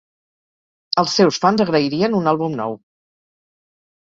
Els seus fans agrairien un àlbum nou.